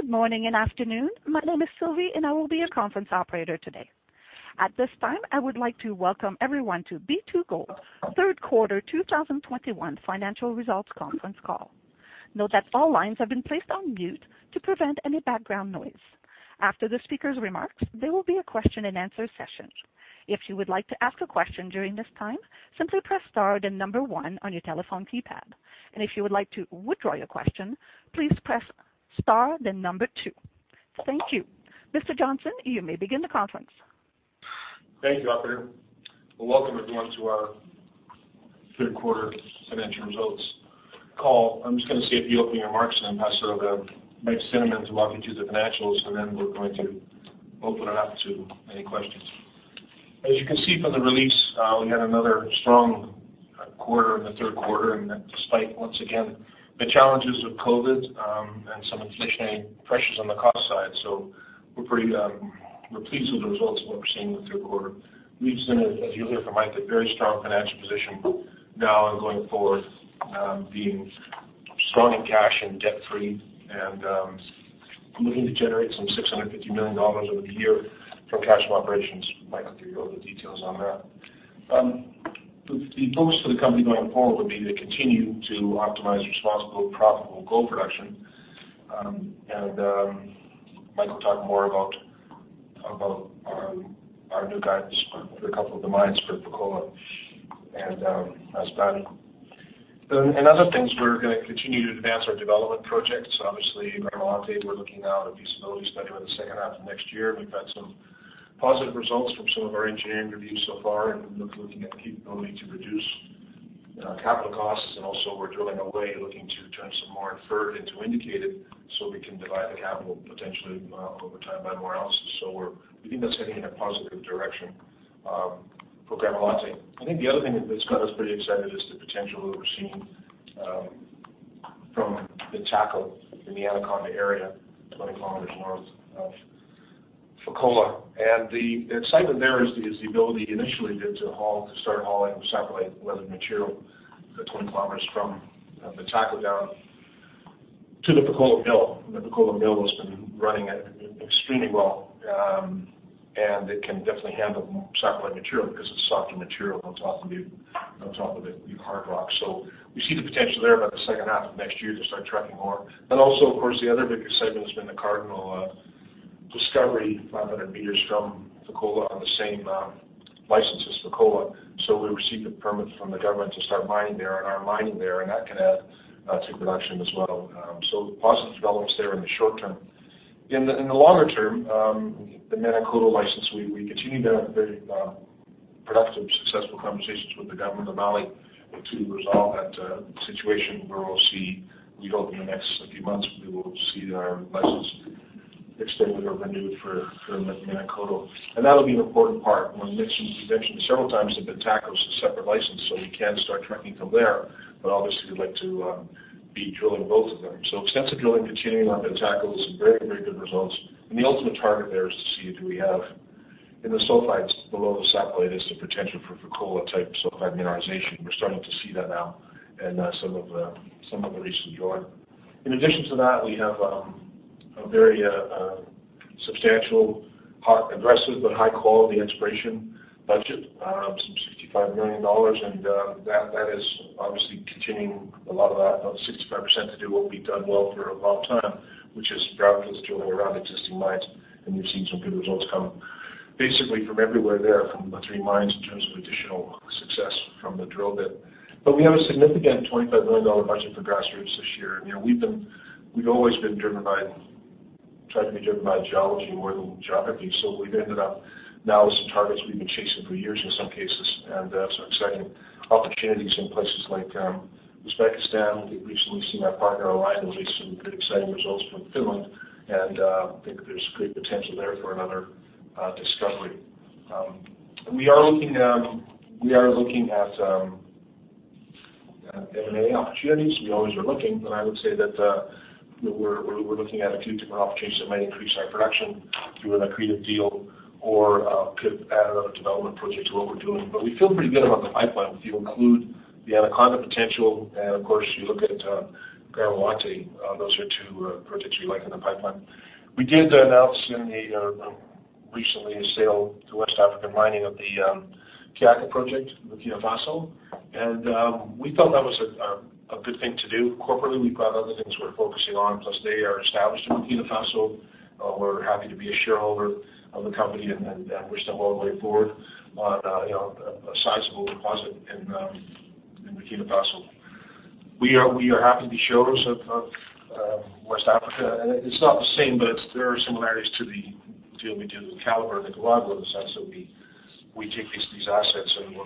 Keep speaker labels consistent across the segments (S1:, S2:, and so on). S1: Good morning and afternoon. My name is Sylvie, and I will be your conference operator today. At this time, I would like to welcome everyone to B2Gold third quarter 2021 financial results conference call. Note that all lines have been placed on mute to prevent any background noise. After the speaker's remarks, there will be a question-and-answer session. If you would like to ask a question during this time, simply press star then one on your telephone keypad. If you would like to withdraw your question, please press star then two, thank you. Mr. Johnson, you may begin the conference.
S2: Thank you, operator. Well, welcome everyone to our third quarter financial results call. I'm just gonna say a few opening remarks, and then pass it over to Mike Cinnamond to walk you through the financials, and then we're going to open it up to any questions. As you can see from the release, we had another strong quarter in the third quarter, and that despite, once again, the challenges of COVID, and some inflationary pressures on the cost side. We're pleased with the results of what we're seeing in the third quarter. We've seen, as you'll hear from Mike, a very strong financial position now and going forward, being strong in cash and debt-free, looking to generate some $650 million over the year from cash from operations. Mike will give you all the details on that. The focus for the company going forward will be to continue to optimize responsible, profitable gold production. Mike will talk more about our new guidance for a couple of the mines for Fekola and Masbate. In other things, we're gonna continue to advance our development projects. Obviously, Gramalote, we're looking now at feasibility study over the second half of next year. We've had some positive results from some of our engineering reviews so far, and looking at the capability to reduce capital costs. Also we're drilling away, looking to turn some more inferred into indicated, so we can divide the capital potentially over time by more ounces. We think that's heading in a positive direction for Gramalote. I think the other thing that's got us pretty excited is the potential that we're seeing from the Tako in the Anaconda area, 20 km north of Fekola. The excitement there is the ability initially be able to haul, to start hauling satellite weathered material the 20 km from the Tako down to the Fekola Mill. The Fekola Mill has been running extremely well. It can definitely handle satellite material because it's softer material on top of the hard rock. We see the potential there by the second half of next year to start trucking ore. Also, of course, the other big excitement has been the Cardinal discovery 500 meters from Fekola on the same license as Fekola. We've received the permit from the government to start mining there and are mining there, and that can add to production as well. Positive developments there in the short term. In the longer term, the Menankoto license, we continue to have very productive, successful conversations with the government of Mali to resolve that situation. We hope in the next few months, we will see our license extended or renewed for the Menankoto. That'll be an important part. When Mike mentioned several times, the Bantako is a separate license, so we can start trucking from there. Obviously, we'd like to be drilling both of them. Extensive drilling continuing on Bantako, some very good results. The ultimate target there is to see if we have in the sulfides below the satellite the potential for Fekola-type sulfide mineralization. We're starting to see that now in some of the recent drill. In addition to that, we have a very substantial aggressive but high-quality exploration budget, some $65 million. That is obviously continuing a lot of that, about 65% to do what we've done well for a long time, which is grassroots drilling around existing mines. We've seen some good results come basically from everywhere there, from the three mines in terms of additional success from the drill bit. We have a significant $25 million budget for grassroots this year. We've always been driven by, tried to be driven by geology more than geography. We've ended up now with some targets we've been chasing for years in some cases, and some exciting opportunities in places like Uzbekistan. I think recently you've seen our partner, Aurion, release some good exciting results from Finland and think there's great potential there for another discovery. We are looking at M&A opportunities. We always are looking, but I would say that you know, we're looking at a few different opportunities that might increase our production through an accretive deal or could add another development project to what we're doing. We feel pretty good about the pipeline. If you include the Anaconda potential and, of course, you look at Gramalote, those are two projects we like in the pipeline. We did announce recently a sale to West African Resources of the Kiaka Project in Burkina Faso, and we felt that was a good thing to do. Corporately, we've got other things we're focusing on, plus they are established in Burkina Faso. We're happy to be a shareholder of the company and wish them well the way forward on you know a sizeable deposit in Burkina Faso. We are happy to be shareholders of West African Resources. It's not the same, but there are similarities to the deal we did with Calibre in Nicaragua, in the sense that we take these assets and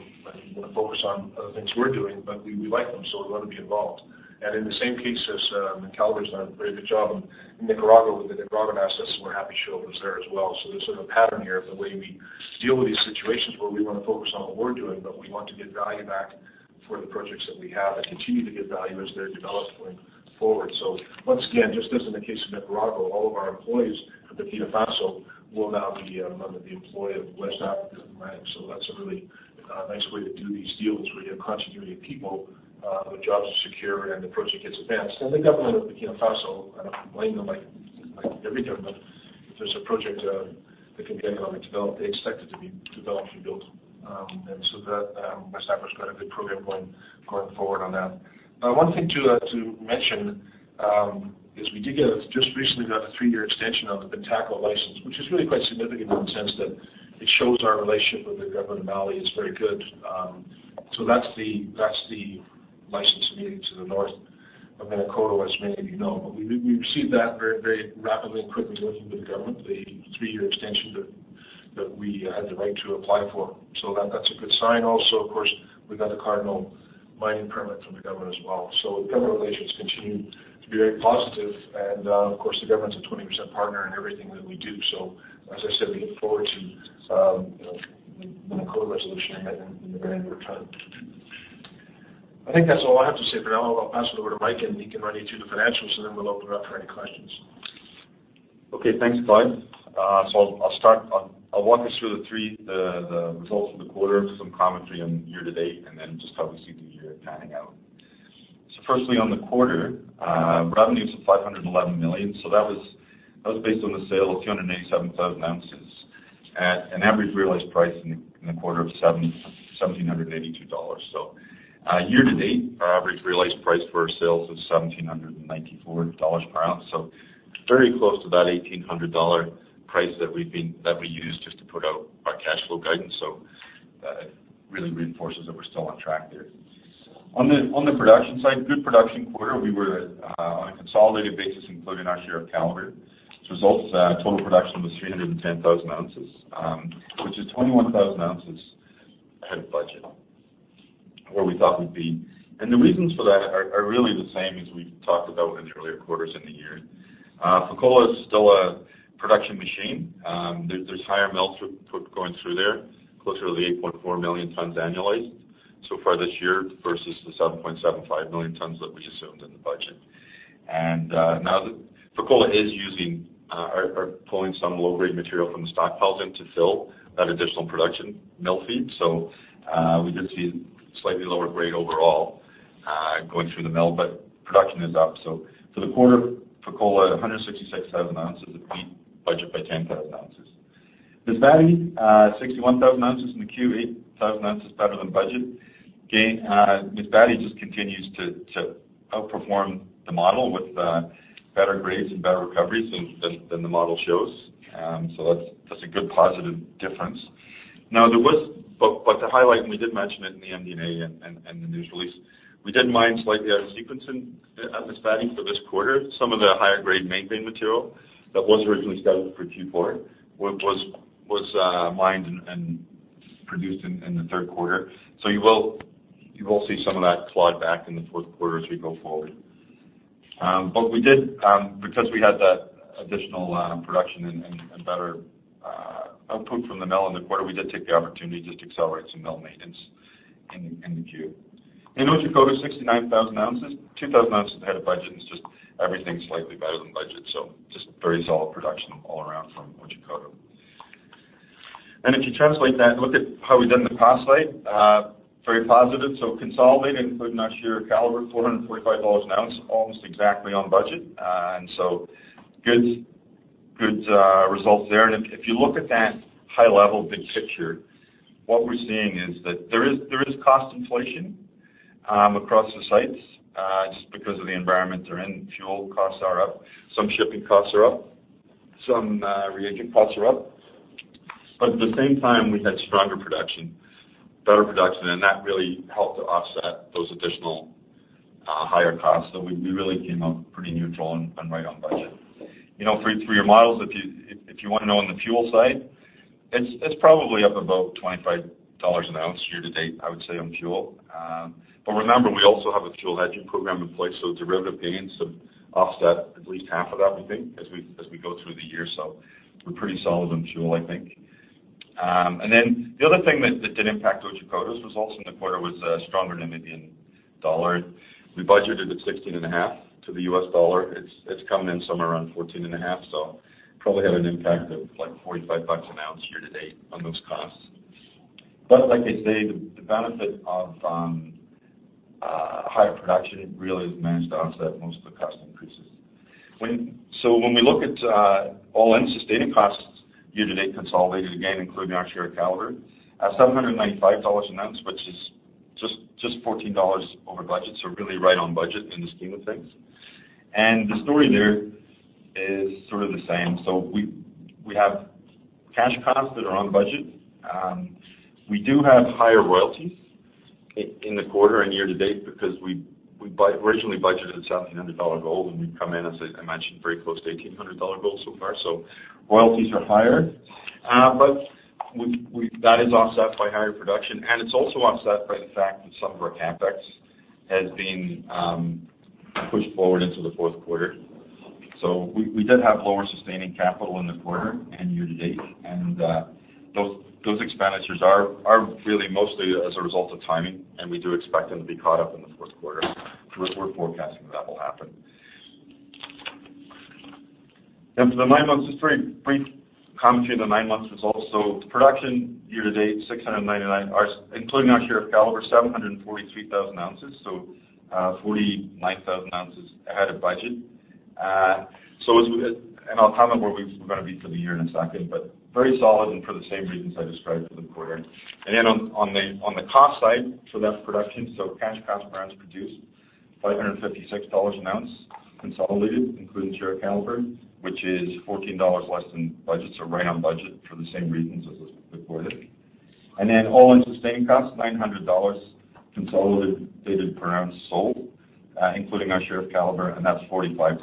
S2: we're focused on other things we're doing, but we like them, so we want to be involved. In the same case as Calibre's done a very good job in Nicaragua with the Nicaraguan assets, we're happy for shareholders there as well. There's sort of a pattern here of the way we deal with these situations where we wanna focus on what we're doing, but we want to get value back for the projects that we have and continue to get value as they're developed going forward. Once again, just as in the case of Nicaragua, all of our employees at Burkina Faso will now be under the employment of West African Resources. That's a really nice way to do these deals where you're concentrating people, their jobs are secure, sure, and the project gets advanced. The government of Burkina Faso, I don't blame them, like every government, if there's a project that can be economically developed, they expect it to be developed and built. Our staff has got a good program going forward on that. Now, one thing too to mention is we just recently got a three-year extension of the Tako license, which is really quite significant in the sense that it shows our relationship with the government of Mali is very good. That's the license we need to the north of Menankoto, as many of you know. We received that very rapidly and quickly working with the government, the three-year extension that we had the right to apply for. That's a good sign also. Of course, we got the Cardinal mining permit from the government as well. The government relations continue to be very positive and, of course, the government's a 20% partner in everything that we do. As I said, we look forward to, you know, the Menankoto resolution in the very near term. I think that's all I have to say for now. I'll pass it over to Mike, and he can run you through the financials, and then we'll open it up for any questions.
S3: Okay, thanks, Clive. I'll start, I'll walk us through the Q3 results for the quarter with some commentary on year-to-date, and then just how we see the year panning out. Firstly, on the quarter, revenue is at $511 million. That was based on the sale of 287,000 oz at an average realized price in the quarter of $1,782. Year-to-date, our average realized price for our sales was $1,794 per oz. Very close to that $1,800 price that we've used just to put out our cash flow guidance. Really reinforces that we're still on track there. On the production side, good production quarter. We were on a consolidated basis, including our share of Calibre. As a result, total production was 310,000 oz, which is 21,000 oz ahead of budget where we thought we'd be. The reasons for that are really the same as we've talked about in the earlier quarters in the year. Fekola is still a production machine. There's higher throughput going through there, closer to the 8,400,000 tons annualized so far this year versus the 7,750,000 tons that we assumed in the budget. Now that Fekola is pulling some low-grade material from the stockpiles into fill that additional production mill feed. We did see slightly lower grade overall going through the mill, but production is up. For the quarter, Fekola, 166,000 oz. It beat budget by 10,000 oz. Masbate, 61,000 oz in the Q, 8,000 oz better than budget. Again, Masbate just continues to outperform the model with better grades and better recovery than the model shows. That's a good positive difference. To highlight, we did mention it in the MD&A and the news release. We did mine slightly out of sequencing at Masbate for this quarter. Some of the higher grade maintenance material that was originally scheduled for Q4 was mined and produced in the third quarter. You will see some of that clawed back in the fourth quarter as we go forward. We did because we had that additional production and better output from the mill in the quarter, we did take the opportunity just to accelerate some mill maintenance in the Q. In Otjikoto, 69,000 oz, 2,000 oz ahead of budget. It's just everything slightly better than budget. Just very solid production all around from Otjikoto. If you translate that and look at how we've done the cost side, very positive. Consolidated, including our share of Calibre, $445 an ounce, almost exactly on budget. Good results there. If you look at that high-level big picture, what we're seeing is that there is cost inflation across the sites, just because of the environment they're in. Fuel costs are up. Some shipping costs are up. Some reagent costs are up. At the same time, we had stronger production, better production, and that really helped to offset those additional higher costs. We really came out pretty neutral and right on budget. You know, for your models, if you want to know on the fuel side, it's probably up about $25 an ounce year-to-date, I would say, on fuel. Remember, we also have a fuel hedging program in place, so derivative gains have offset at least 50% of that, we think, as we go through the year. We're pretty solid on fuel, I think. Then the other thing that did impact Otjikoto's results in the quarter was a stronger Namibian dollar. We budgeted at $16.5 to the U.S. dollar. It's come in somewhere around $14.5. Probably had an impact of, like, $45 an ounce year-to-date on those costs. Like I say, the benefit of higher production really has managed to offset most of the cost increases. When we look at all-in sustaining costs year-to-date consolidated, again including our share of Calibre, at $795 an ounce, which is just $14 over budget, so really right on budget in the scheme of things. The story there is sort of the same. We have cash costs that are on budget. We do have higher royalties in the quarter and year-to-date because we originally budgeted at $1,700 gold and we've come in, as I mentioned, very close to $1,800 gold so far. So royalties are higher. But that is offset by higher production, and it's also offset by the fact that some of our CapEx has been pushed forward into the fourth quarter. So we did have lower sustaining capital in the quarter and year-to-date. Those expenditures are really mostly as a result of timing, and we do expect them to be caught up in the fourth quarter. We're forecasting that will happen. For the nine months, just very brief commentary on the nine months results. Production year-to-date, 699 oz, including our share of Calibre, 743,000 oz. 49,000 oz ahead of budget. I'll comment where we're gonna be for the year in a second, but very solid and for the same reasons I described for the quarter. Then on the cost side for that production, cash cost per ounce produced, $556 an ounce consolidated including share of Calibre, which is $14 less than budget, so right on budget for the same reasons as the quarter. Then all-in sustaining costs, $900 consolidated per ounce sold, including our share of Calibre, and that's $45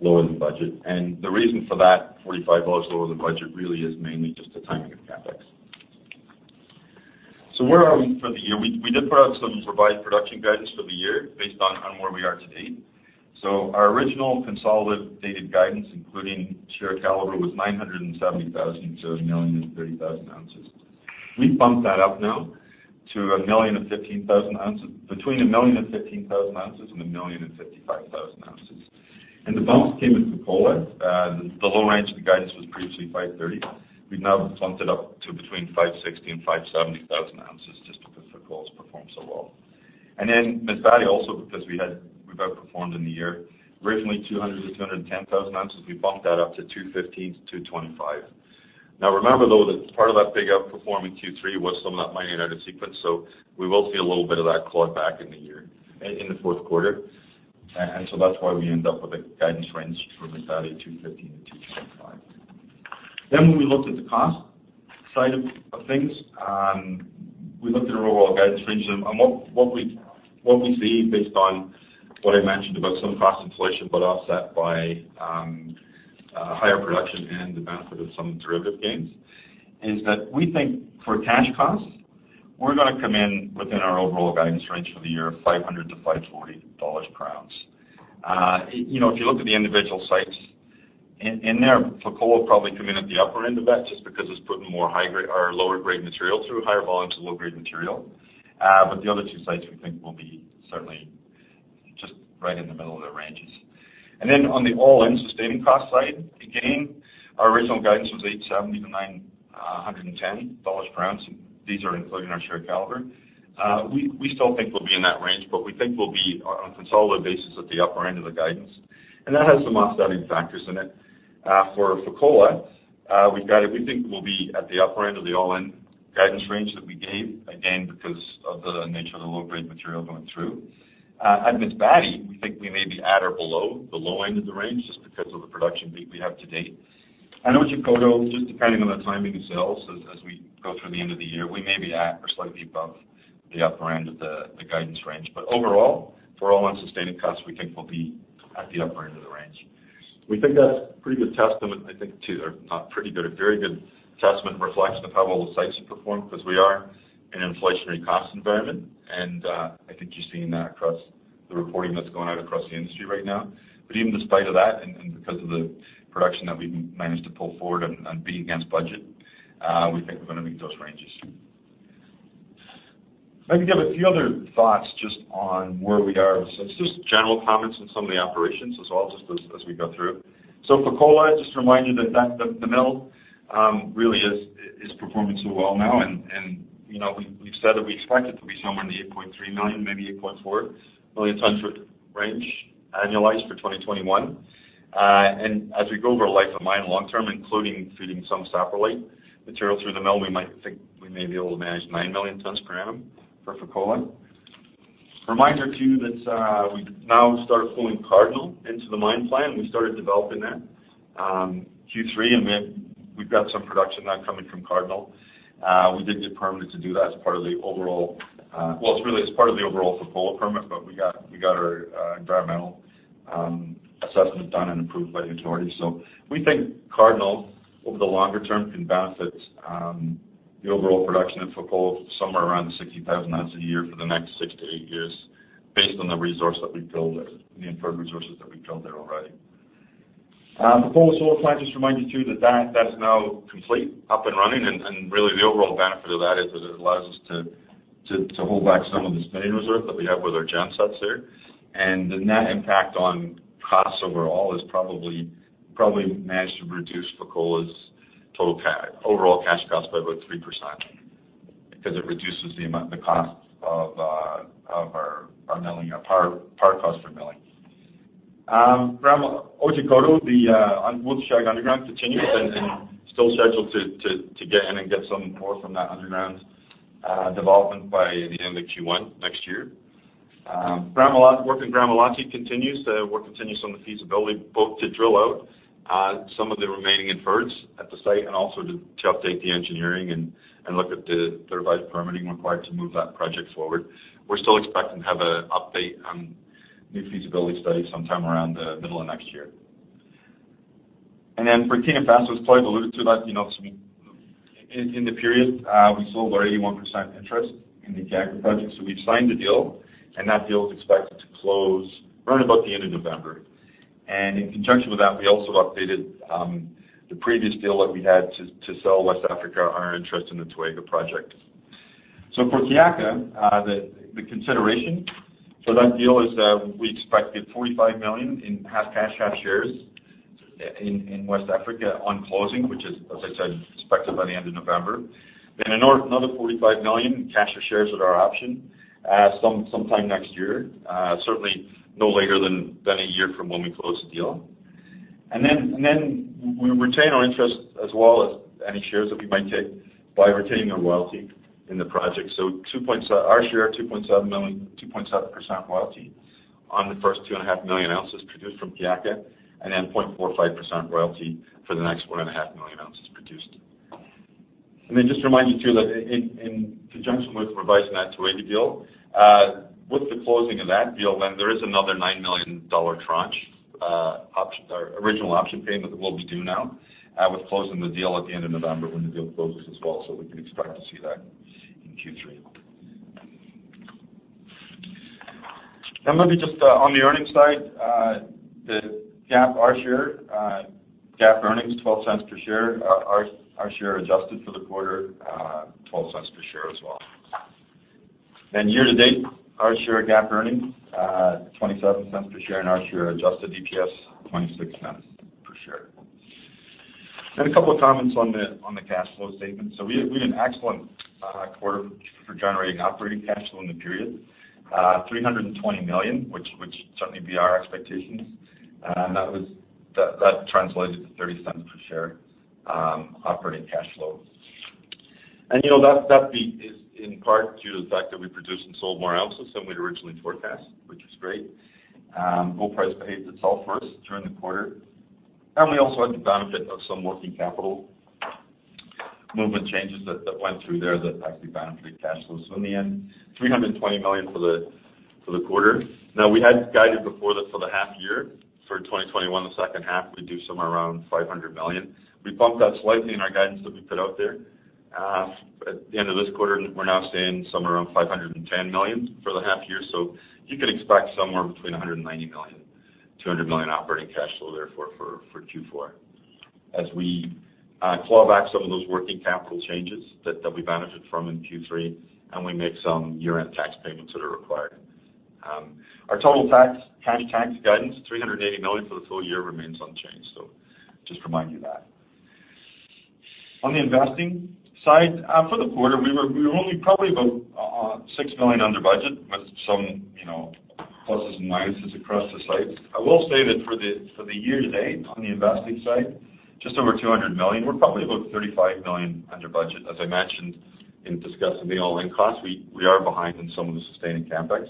S3: lower than budget. The reason for that $45 lower than budget really is mainly just the timing of CapEx. Where are we for the year? We did put out some provided production guidance for the year based on where we are to date. Our original consolidated guidance, including share of Calibre, was 970,000-1,030,000 oz. We've bumped that up now to between 1,015,000 oz and 1,055,000 oz. The bumps came with Fekola. The low range of the guidance was previously 530,000 oz. We've now bumped it up to between 560,000 oz and 570,000 oz just because Fekola's performed so well. Then Masbate also, because we've outperformed in the year. Originally 200,000-210,000 oz, we bumped that up to 215,000-225,000 oz. Now remember though, that part of that big outperforming Q3 was some of that mining out of sequence, so we will see a little bit of that clawed back in the year, in the fourth quarter. That's why we end up with a guidance range for Masbate, 215,000-225,000 oz. When we looked at the cost side of things, we looked at our overall guidance range and what we see based on what I mentioned about some cost inflation, but offset by higher production and the benefit of some derivative gains, is that we think for cash costs, we're gonna come in within our overall guidance range for the year of $500-$540 per ounce. You know, if you look at the individual sites, there, Fekola will probably come in at the upper end of that, just because it's putting more high grade or lower grade material through, higher volumes of low grade material. The other two sites we think will be certainly right in the middle of their ranges. Then on the all-in sustaining cost side, again, our original guidance was $870-$910 per ounce, and these are including our share of Calibre. We still think we'll be in that range, but we think we'll be on a consolidated basis at the upper end of the guidance. That has some offsetting factors in it. For Fekola, we've got it, we think we'll be at the upper end of the all-in guidance range that we gave, again, because of the nature of the low-grade material going through. At Masbate, we think we may be at or below the low end of the range just because of the production peak we have to date. At Otjikoto, just depending on the timing of sales as we go through the end of the year, we may be at or slightly above the upper end of the guidance range. Overall, for all-in sustaining costs, we think we'll be at the upper end of the range. We think that's a pretty good testament, I think too, or not pretty good, a very good testament and reflection of how well the sites have performed because we are in an inflationary cost environment, and I think you're seeing that across the reporting that's going out across the industry right now. Even in spite of that and because of the production that we've managed to pull forward and beating against budget, we think we're gonna meet those ranges. I think I have a few other thoughts just on where we are. It's just general comments on some of the operations as well, just as we go through. Fekola, just to remind you that the mill really is performing so well now. You know, we've said that we expect it to be somewhere in the 8,300,000-8,400,000 tons range, annualized for 2021. As we go over our life of mine long term, including feeding some saprolite material through the mill, we might think we may be able to manage 9,000,000 tons per annum for Fekola. Reminder too that, we've now started pulling Cardinal into the mine plan. We started developing that Q3, and then we've got some production now coming from Cardinal. We did get permitted to do that as part of the overall Fekola permit, but we got our environmental assessment done and approved by the authorities. We think Cardinal, over the longer term, can benefit the overall production at Fekola somewhere around 60,000 oz a year for the next six to eight years based on the resource that we've drilled there, the inferred resources that we've drilled there already. Fekola Solar Plant, just to remind you too that that's now complete, up and running, and really the overall benefit of that is that it allows us to hold back some of the spinning reserve that we have with our gensets there. The net impact on costs overall is probably managed to reduce Fekola's total overall cash cost by about 3% because it reduces the amount, the cost of our milling, our power cost for milling. Otjikoto, the underground Wolfshag Underground continues and still scheduled to get in and get some ore from that Underground development by the end of Q1 next year. Work in Gramalote continues. The work continues on the feasibility both to drill out some of the remaining infers at the site and also to update the engineering and look at the third party permitting required to move that project forward. We're still expecting to have a update on new feasibility study sometime around the middle of next year. Then for Burkina Faso, as Clive alluded to that, some in the period, we sold our 81% interest in the Kiaka Project. We've signed the deal, and that deal is expected to close around about the end of November. In conjunction with that, we also updated the previous deal that we had to sell West Africa our interest in the Toega Project. For Kiaka, the consideration for that deal is that we expect to get $45 million in half cash, half shares in West Africa on closing, which is, as I said, expected by the end of November. Another $45 million cash or shares at our option sometime next year, certainly no later than a year from when we close the deal. Then we retain our interest as well as any shares that we might take by retaining a royalty in the project. 2.7% royalty on the first 2,500,000 oz produced from Kiaka, and then 0.45% royalty for the next 1,500,000 oz produced. Just to remind you, too, that in conjunction with revising that Toega deal, with the closing of that deal, there is another $9 million tranche or original option payment that will be due now, with closing the deal at the end of November when the deal closes as well, so we can expect to see that in Q3. Maybe just on the earnings side, the GAAP, our share, GAAP earnings, $0.12 per share. Our share adjusted for the quarter, $0.12 per share as well. Year-to-date, our share of GAAP earnings, $0.27 per share, and our share of adjusted EPS, $0.26 per share. A couple of comments on the cash flow statement. We had an excellent quarter for generating operating cash flow in the period. $320 million, which would certainly be our expectations. That translates to $0.30 per share operating cash flow. You know, that beat is in part due to the fact that we produced and sold more ounces than we'd originally forecast, which was great. Gold price behaved itself for us during the quarter, and we also had the benefit of some working capital movement changes that went through there that actually benefited cash flows. In the end, $320 million for the quarter. Now, we had guided before this for the half year. For 2021, the second half, we do somewhere around $500 million. We bumped that slightly in our guidance that we put out there. At the end of this quarter, we're now saying somewhere around $510 million for the half year. You could expect somewhere between $190 million-$200 million operating cash flow there for Q4 as we claw back some of those working capital changes that we benefited from in Q3, and we make some year-end tax payments that are required. Our total cash tax guidance $380 million for the full year remains unchanged, so just remind you that. On the investing side, for the quarter, we were only probably about $6 million under budget with some, you know, pluses and minuses across the sites. I will say that for the year-to-date on the investing side, just over $200 million, we're probably about $35 million under budget. As I mentioned in discussing the all-in costs, we are behind in some of the sustaining CapEx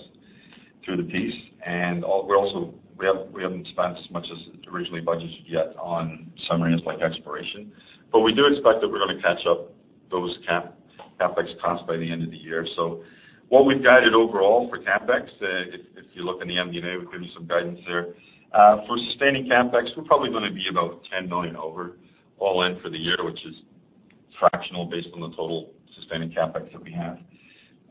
S3: to date. We also haven't spent as much as originally budgeted yet on some areas like Exploration. But we do expect that we're gonna catch up those CapEx costs by the end of the year. What we've guided overall for CapEx, if you look in the MD&A, we give you some guidance there. For sustaining CapEx, we're probably gonna be about $10 million over all in for the year, which is fractional based on the total sustaining CapEx that we have.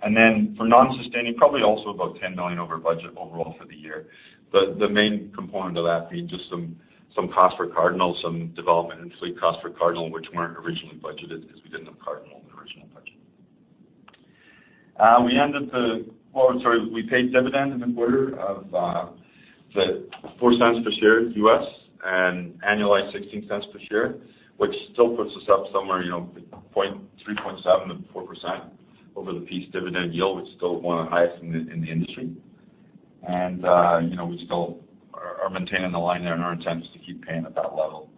S3: Then for non-sustaining, probably also about $10 million over budget overall for the year. The main component of that being just some costs for Cardinal, some development and fleet costs for Cardinal which weren't originally budgeted because we didn't have Cardinal in the original budget. We paid dividend in the quarter of the $0.04 per share USD, and annualized $0.16 per share, which still puts us up somewhere, you know, 3.7%-4% over the peer dividend yield, which is still one of the highest in the industry. You know, we still are maintaining the line there, and our intent is to keep paying at that level.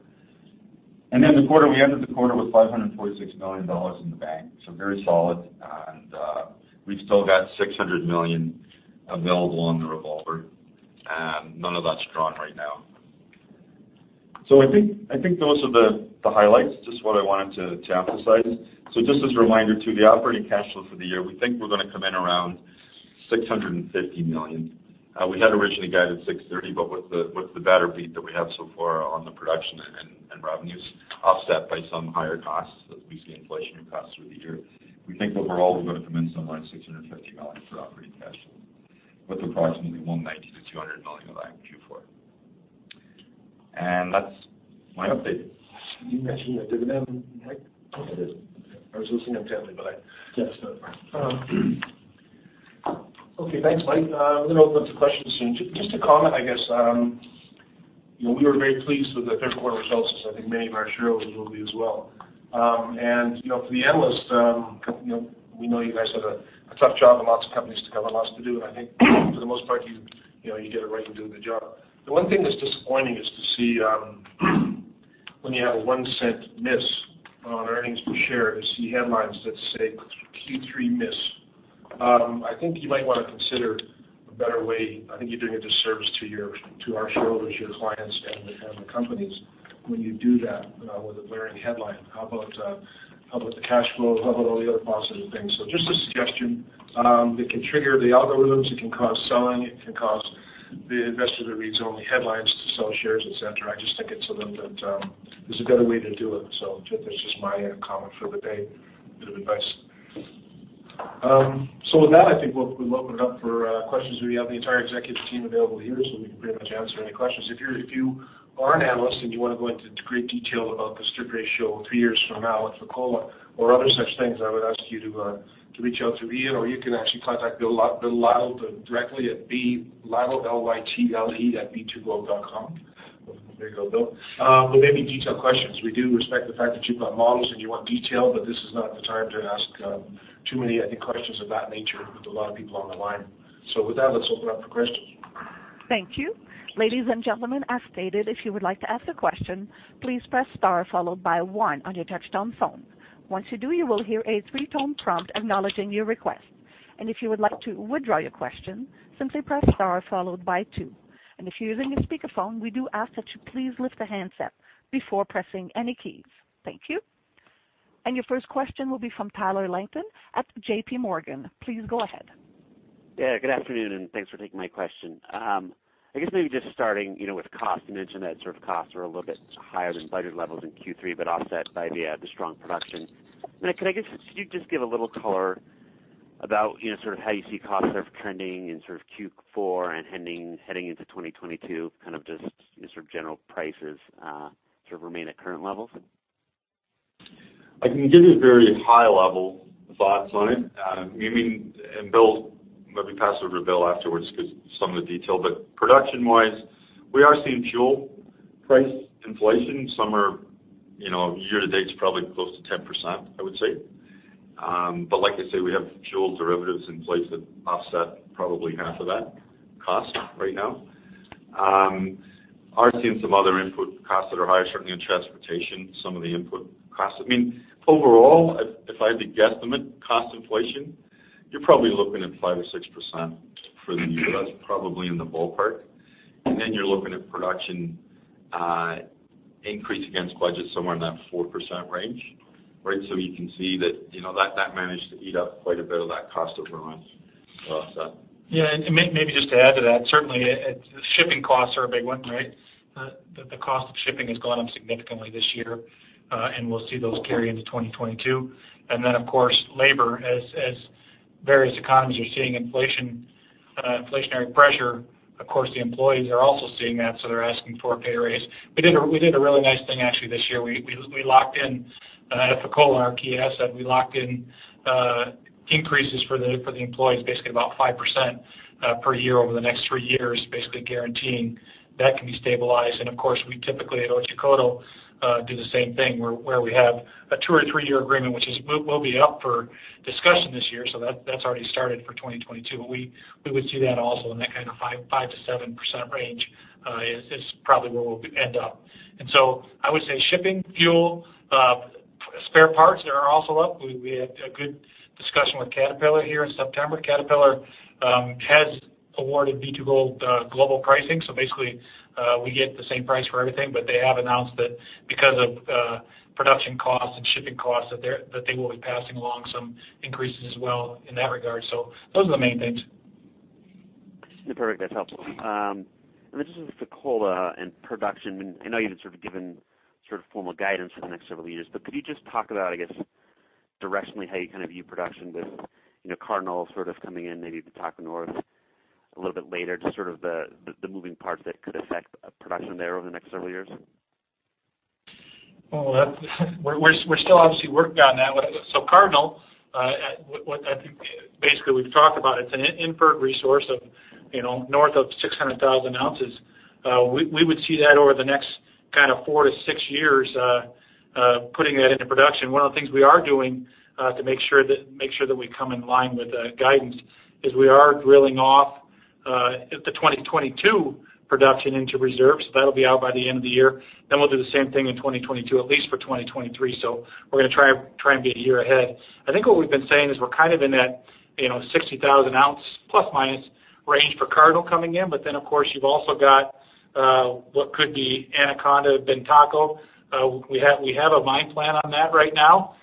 S3: Then the quarter, we ended the quarter with $546 million in the bank, so very solid. We've still got $600 million available on the revolver. None of that's drawn right now. I think those are the highlights, just what I wanted to emphasize. Just as a reminder, too, the operating cash flow for the year, we think we're gonna come in around $650 million. We had originally guided $630 million, but with the better beat that we have so far on the production and revenues offset by some higher costs as we see inflationary costs through the year, we think overall we're gonna come in somewhere in $650 million for operating cash flow, with approximately $190 million-$200 million of that in Q4. That's my update.
S2: You mentioned the dividend, Mike?
S3: I did.
S2: I was listening intently.
S3: Yeah, that's no problem.
S2: Okay, thanks, Mike. I'm gonna open up to questions soon. Just a comment, I guess. You know, we were very pleased with the third quarter results, as I think many of our shareholders will be as well. You know, for the analysts, you know, we know you guys have a tough job and lots of companies to cover, lots to do, and I think for the most part, you know, you get it right and do a good job. The one thing that's disappointing is to see when you have a $0.01 miss on earnings per share, to see headlines that say, "Q3 miss." I think you might wanna consider a better way. I think you're doing a disservice to your, to our shareholders, your clients, and the companies when you do that with a blaring headline. How about the cash flow? How about all the other positive things? Just a suggestion. It can trigger the algorithms. It can cause selling. It can cause the investor that reads only headlines to sell shares, et cetera. I just think it's a little bit. There's a better way to do it. That's just my comment for the day, bit of advice. With that, I think we'll open it up for questions. We have the entire executive team available here, so we can pretty much answer any questions. If you are an analyst and you wanna go into great detail about the strip ratio three years from now at Fekola or other such things, I would ask you to reach out through Ian, or you can actually contact Bill Lytle directly at blytle, L-Y-T-L-E, @b2gold.com. There you go, Bill. But maybe detailed questions. We do respect the fact that you've got models and you want detail, but this is not the time to ask too many, I think, questions of that nature with a lot of people on the line. With that, let's open up for questions.
S1: Thank you. Ladies and gentlemen, as stated, if you would like to ask a question, please press star followed by one on your touchtone phone. Once you do, you will hear a three-tone prompt acknowledging your request. If you would like to withdraw your question, simply press star followed by two. If you're using a speakerphone, we do ask that you please lift the handset before pressing any keys. Thank you. Your first question will be from Tyler Langton at J.P. Morgan. Please go ahead.
S4: Good afternoon, and thanks for taking my question. I guess maybe just starting, you know, with cost, you mentioned that sort of costs are a little bit higher than budget levels in Q3, but offset by the strong production. Could you just give a little color about, you know, sort of how you see costs sort of trending in sort of Q4 and heading into 2022, kind of just, you know, sort of general prices sort of remain at current levels?
S3: I can give you very high-level thoughts on it. Bill, maybe pass it over to Bill afterwards, 'cause some of the detail. Production-wise, we are seeing fuel price inflation. So we're, you know, year-to-date, it's probably close to 10%, I would say. Like I say, we have fuel derivatives in place that offset probably half of that cost right now. We're seeing some other input costs that are higher, certainly in transportation, some of the input costs. I mean, overall, if I had to guesstimate cost inflation, you're probably looking at 5% or 6% for the year. That's probably in the ballpark. You're looking at production increase against budget somewhere in that 4% range, right? You can see that, you know, that managed to eat up quite a bit of that cost overrun offset.
S5: Maybe just to add to that, certainly, shipping costs are a big one, right? The cost of shipping has gone up significantly this year, and we'll see those carry into 2022. Of course, labor, as various economies are seeing inflation, inflationary pressure, of course, the employees are also seeing that, so they're asking for a pay raise. We did a really nice thing actually this year. We locked in our Fekola, increases for the employees, basically about 5% per year over the next three years, basically guaranteeing that can be stabilized. Of course, we typically at Otjikoto do the same thing where we have a two or three-year agreement, which will be up for discussion this year. That's already started for 2022. We would see that also in that kind of 5%-7% range is probably where we'll end up. I would say shipping, fuel, spare parts are also up. We had a good discussion with Caterpillar here in September. Caterpillar has awarded B2Gold global pricing. Basically, we get the same price for everything. They have announced that because of production costs and shipping costs, they will be passing along some increases as well in that regard. Those are the main things.
S4: Perfect that's helpful. This is Fekola and production. I know you've sort of given sort of formal guidance for the next several years, but could you just talk about, I guess, directionally, how you kind of view production with, you know, Cardinal sort of coming in, maybe Bantako North a little bit later, just sort of the moving parts that could affect production there over the next several years?
S5: We're still obviously working on that. Cardinal, what I think basically we've talked about, it's an inferred resource of, you know, north of 600,000 oz. We would see that over the next kind of four to six years, putting that into production. One of the things we are doing to make sure that we come in line with the guidance is we are drilling off the 2022 production into reserves. That'll be out by the end of the year. We'll do the same thing in 2022, at least for 2023. We're gonna try and be a year ahead. I think what we've been saying is we're kind of in that, you know, 60,000± oz range for Cardinal coming in. Of course, you've also got what could be Anaconda, Bantako. We have a mine plan on that right now.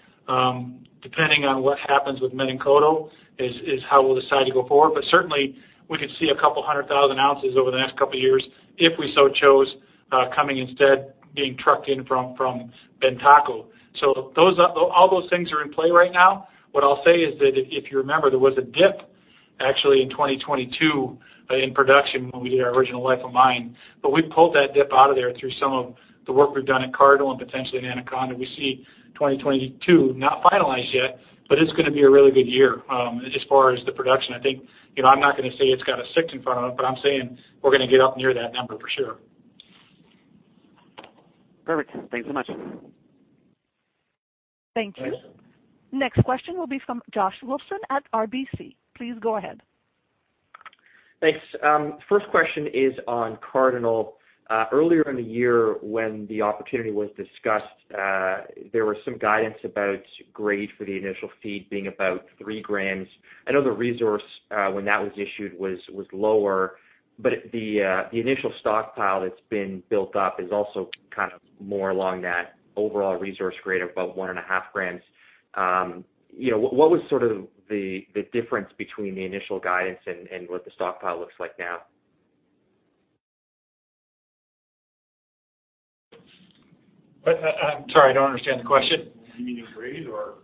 S5: Depending on what happens with Menankoto is how we'll decide to go forward. Certainly, we could see a couple 100,00 oz over the next couple years if we so chose, coming instead being trucked in from Bantako. So those are all those things are in play right now. What I'll say is that if you remember, there was a dip actually in 2022 in production when we did our original life of mine. We pulled that dip out of there through some of the work we've done at Cardinal and potentially in Anaconda. We see 2022 not finalized yet, but it's gonna be a really good year as far as the production. I think, you know, I'm not gonna say it's got a six in front of it, but I'm saying we're gonna get up near that number for sure.
S4: Perfect thanks so much.
S1: Thank you. Next question will be from Josh Wilson at RBC, please go ahead.
S6: Thanks, first question is on Cardinal. Earlier in the year when the opportunity was discussed, there was some guidance about grade for the initial feed being about three grams. I know the resource when that was issued was lower, but the initial stockpile that's been built up is also kind of more along that overall resource grade of about 1.5 grams. You know, what was sort of the difference between the initial guidance and what the stockpile looks like now?
S5: I'm sorry, I don't understand the question.
S2: You mean the grade or?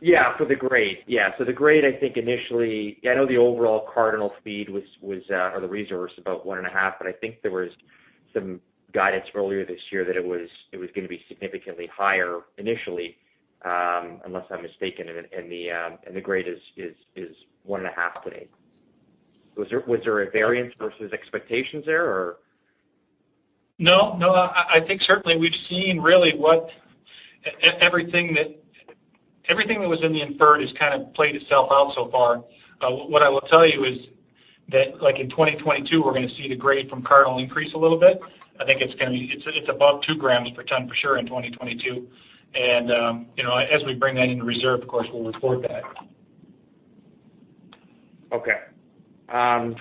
S6: Yeah, for the grade. Yeah, so the grade, I think initially. I know the overall mill feed was or the resource about 1.5, but I think there was some guidance earlier this year that it was gonna be significantly higher initially, unless I'm mistaken, and the grade is 1.5 today. Was there a variance versus expectations there or?
S5: No, no. I think certainly we've seen really what everything that was in the inferred is kind of played itself out so far. What I will tell you is that, like in 2022, we're gonna see the grade from Cardinal increase a little bit. I think it's gonna be above 2 grams per ton for sure in 2022. You know, as we bring that into reserve, of course, we'll report that.
S6: Okay.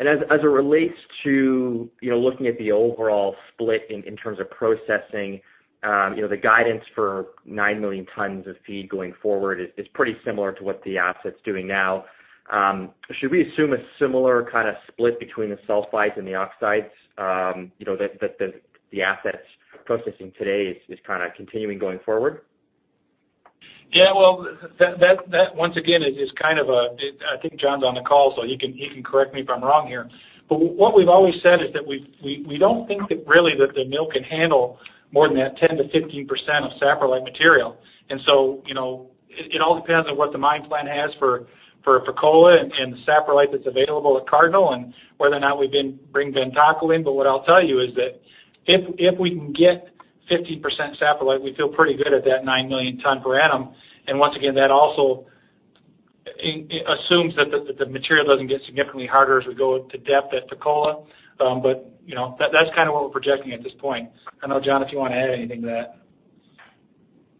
S6: As it relates to, you know, looking at the overall split in terms of processing, you know, the guidance for 9,000,000 tons of feed going forward is pretty similar to what the asset's doing now. Should we assume a similar kind of split between the sulfides and the oxides, you know, that the asset's processing today is kind of continuing going forward?
S5: Well, that once again is kind of a I think John's on the call, so he can correct me if I'm wrong here. What we've always said is that we don't think that really the mill can handle more than that 10%-15% of saprolite material. You know, it all depends on what the mine plan has for Fekola and the saprolite that's available at Cardinal and whether or not we can bring Bantako in. What I'll tell you is that if we can get 50% saprolite, we feel pretty good at that 9,000,000 tons per annum. Once again, that also assumes that the material doesn't get significantly harder as we go to depth at Fekola. You know, that's kind of what we're projecting at this point. I know, John, if you wanna add anything to that.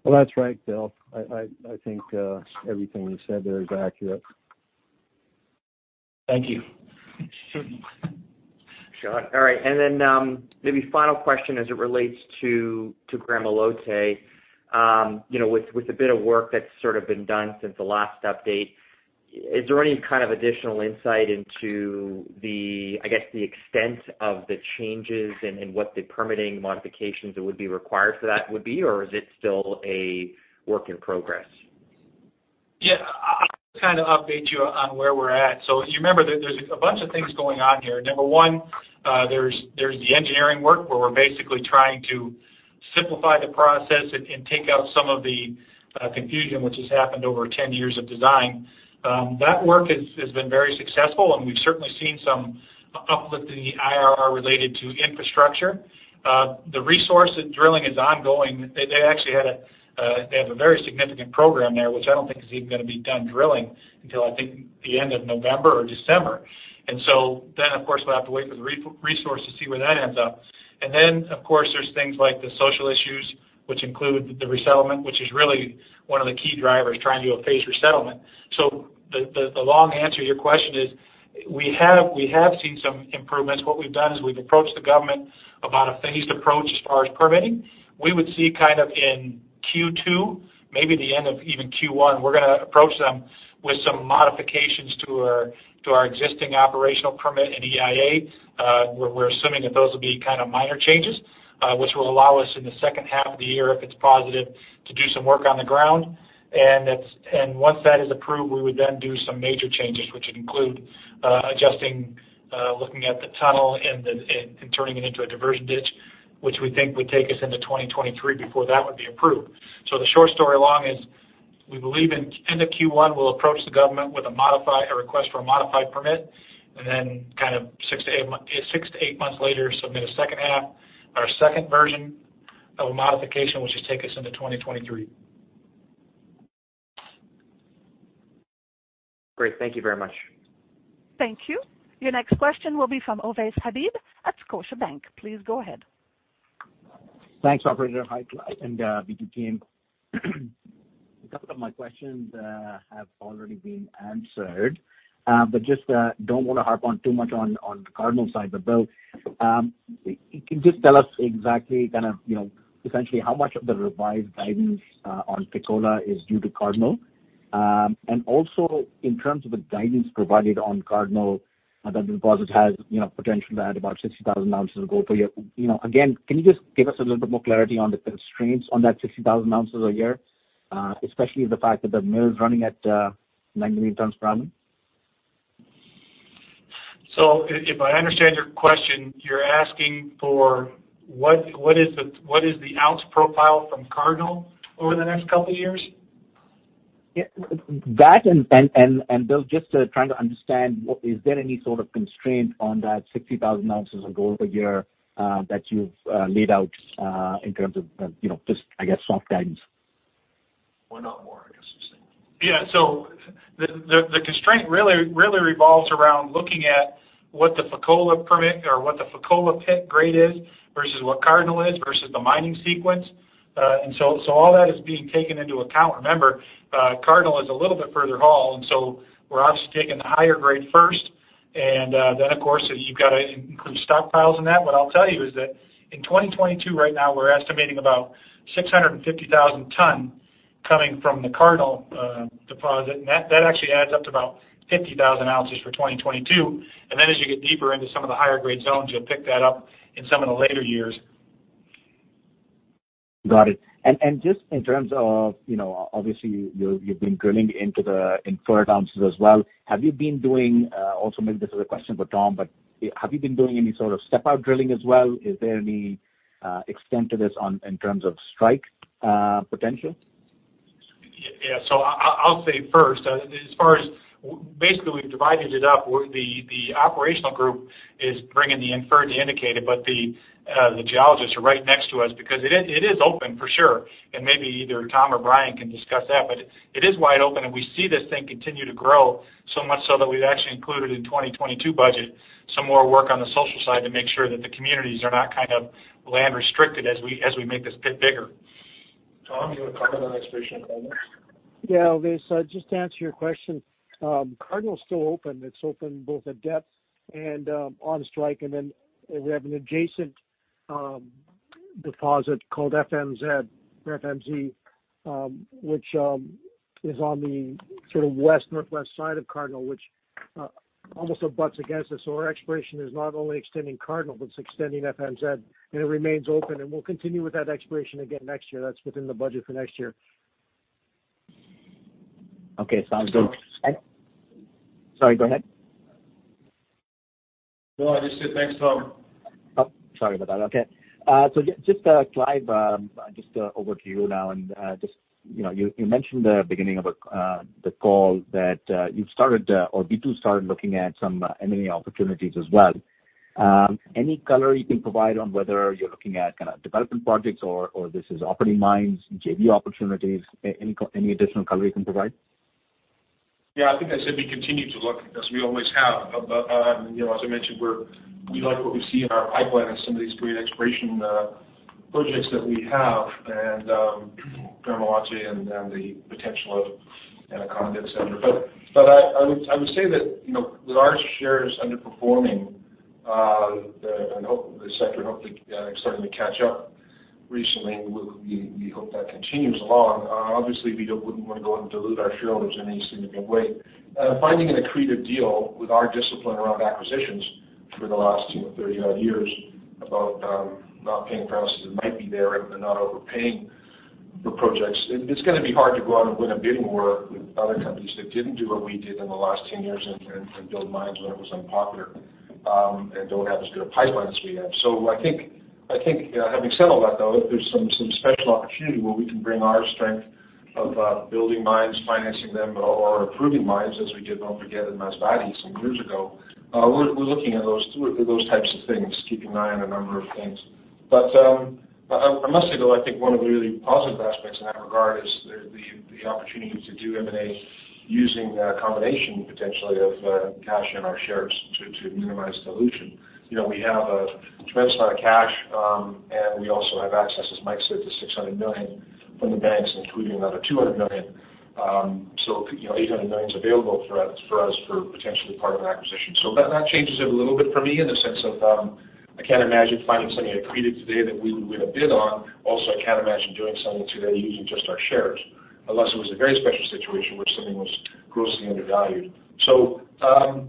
S7: Well, that's right, Bill. I think everything you said there is accurate.
S5: Thank you.
S7: Sure.
S6: All right, and then maybe final question as it relates to Gramalote. You know, with a bit of work that's sort of been done since the last update, is there any kind of additional insight into the, I guess, the extent of the changes and what the permitting modifications that would be required for that would be, or is it still a work in progress?
S5: I'll kind of update you on where we're at. If you remember, there's a bunch of things going on here. Number one, there's the engineering work where we're basically trying to simplify the process and take out some of the confusion which has happened over 10 years of design. That work has been very successful, and we've certainly seen some uplift in the IRR related to infrastructure. The resource drilling is ongoing. They actually have a very significant program there, which I don't think is even gonna be done drilling until, I think, the end of November or December. Of course, we'll have to wait for the re-resource to see where that ends up. Of course, there's things like the social issues, which include the resettlement, which is really one of the key drivers trying to do a phased resettlement. The long answer to your question is we have seen some improvements. What we've done is we've approached the government about a phased approach as far as permitting. We would see kind of in Q2, maybe the end of even Q1, we're gonna approach them with some modifications to our existing operational permit in EIA. We're assuming that those will be kind of minor changes, which will allow us in the second half of the year, if it's positive, to do some work on the ground. Once that is approved, we would then do some major changes, which include adjusting, looking at the tunnel and turning it into a diversion ditch, which we think would take us into 2023 before that would be approved. The short story long is we believe in end of Q1, we'll approach the government with a request for a modified permit, and then kind of six to eight months later, submit a second half or a second version of a modification, which would take us into 2023.
S6: Great thank you very much.
S1: Thank you. Your next question will be from Ovais Habib at Scotiabank, please go ahead.
S8: Thanks, operator. Hi, Bill and B2 team. A couple of my questions have already been answered. Just don't wanna harp on too much on the Cardinal side. Bill, can you just tell us exactly kind of, you know, essentially how much of the revised guidance on Fekola is due to Cardinal? And also in terms of the guidance provided on Cardinal, that the deposit has, you know, potential to add about 60,000 oz of gold per year. You know, again, can you just give us a little bit more clarity on the constraints on that 60,000 oz a year, especially the fact that the mill's running at 9,000,000 tons per annum?
S5: If I understand your question, you're asking for what is the ounce profile from Cardinal over the next couple of years?
S8: Yeah that, Bill, just trying to understand, is there any sort of constraint on that 60,000 oz of gold a year that you've laid out in terms of, you know, just, I guess, soft guidance?
S7: Or not more, I guess you're saying?
S5: The constraint really revolves around looking at what the Fekola permit or what the Fekola pit grade is versus what Cardinal is versus the mining sequence. All that is being taken into account. Remember, Cardinal is a little bit further haul, and we're obviously taking the higher grade first. Of course, you've got to include stockpiles in that. What I'll tell you is that in 2022 right now, we're estimating about 650,000 tons coming from the Cardinal deposit. That actually adds up to about 50,000 oz for 2022. As you get deeper into some of the higher grade zones, you'll pick that up in some of the later years.
S8: Got it. Just in terms of, you know, obviously, you've been drilling into the inferred ounces as well. Also, maybe this is a question for Tom. Have you been doing any sort of step-out drilling as well? Is there any extent to this in terms of strike potential?
S5: I'll say first, basically, we've divided it up where the operational group is bringing the inferred to indicated. The geologists are right next to us because it is open for sure, and maybe either Tom or Brian can discuss that. It is wide open, and we see this thing continue to grow, so much so that we've actually included in the 2022 budget some more work on the social side to make sure that the communities are not kind of land restricted as we make this pit bigger.
S2: Tom, do you want to comment on exploration and permits?
S9: Yeah, Ovais, just to answer your question, Cardinal is still open. It's open both at depth and on strike. Then we have an adjacent deposit called FMZ, which is on the sort of west, northwest side of Cardinal, which also butts against us. Our exploration is not only extending Cardinal, but it's extending FMZ, and it remains open. We'll continue with that exploration again next year. That's within the budget for next year.
S8: Okay, sounds good.
S2: So-
S8: Sorry, go ahead.
S2: No, I just said, "Thanks, Tom.
S8: Oh, sorry about that, okay. Just Clive, just over to you now. Just, you know, you mentioned the beginning of the call that you've started or B2 started looking at some M&A opportunities as well. Any color you can provide on whether you're looking at kind of development projects or this is operating mines, JV opportunities? Any additional color you can provide?
S2: Yeah, I think I said we continue to look as we always have. You know, as I mentioned, we like what we see in our pipeline and some of these great exploration projects that we have and Gramalote and the potential of Anaconda, et cetera. I would say that, you know, with our shares underperforming the sector, hopefully starting to catch up recently, we hope that continues along. Obviously, we wouldn't wanna go and dilute our shareholders in any significant way. Finding an accretive deal with our discipline around acquisitions for the last 10 or 30-odd years about not paying prices that might be there and not overpaying for projects, it's gonna be hard to go out and win a bidding war with other companies that didn't do what we did in the last 10 years and build mines when it was unpopular and don't have as good a pipeline as we have. I think having said all that, though, there's some special opportunity where we can bring our strength of building mines, financing them or improving mines as we did, don't forget, in Masbate some years ago. We're looking at those types of things, keeping an eye on a number of things. I must say, though, I think one of the really positive aspects in that regard is the opportunity to do M&A using a combination potentially of cash and our shares to minimize dilution. You know, we have a tremendous amount of cash, and we also have access, as Mike said, to $600 million from the banks, including another $200 million. You know, $800 million is available for us for potentially part of an acquisition. That changes it a little bit for me in the sense of I can't imagine finding something accretive today that we would win a bid on. Also, I can't imagine doing something today using just our shares, unless it was a very special situation where something was grossly undervalued.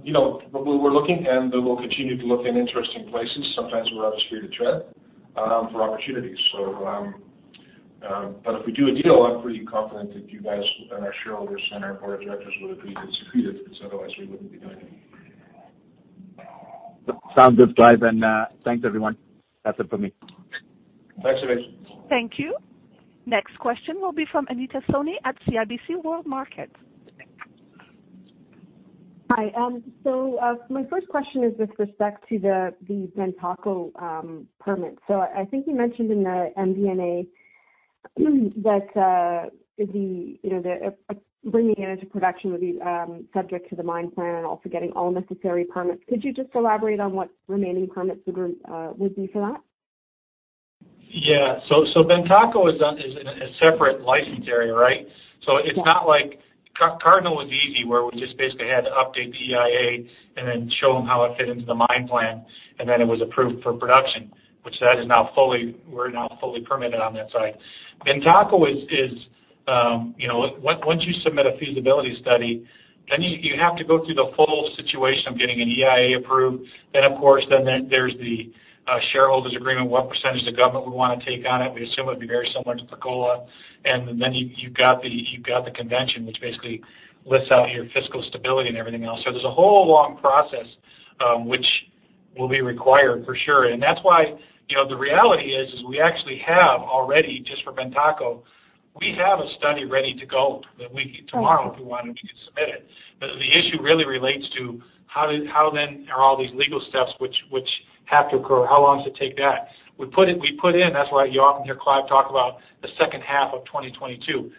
S2: You know, we're looking, and we will continue to look in interesting places, sometimes where others fear to tread, for opportunities. If we do a deal, I'm pretty confident that you guys and our shareholders and our board of directors would agree it's accretive, because otherwise we wouldn't be doing it.
S8: Sounds good, Clive. Thanks, everyone, that's it for me.
S2: Thanks, Ovais.
S1: Thank you. Next question will be from Anita Soni at CIBC World Markets.
S10: Hi. My first question is with respect to the Bantako permit. I think you mentioned in the MD&A that you know bringing it into production would be subject to the mine plan, also getting all necessary permits. Could you just elaborate on what remaining permits the group would need for that?
S5: Bantako is in a separate license area, right?
S10: Yeah.
S5: It's not like Cardinal was easy, where we just basically had to update the EIA and then show them how it fit into the mine plan, and then it was approved for production, and we're now fully permitted on that site. Bantako is once you submit a feasibility study, then you have to go through the full situation of getting an EIA approved. Then there's the shareholders agreement, what percentage the government would wanna take on it. We assume it'd be very similar to Fekola. Then you've got the convention, which basically lists out your fiscal stability and everything else. There's a whole long process which will be required for sure. That's why, you know, the reality is we actually have already, just for Bantako, we have a study ready to go that we, tomorrow, if we wanted, we could submit it. But the issue really relates to how then are all these legal steps which have to occur, how long does it take that? That's why you often hear Clive talk about the second half of 2022.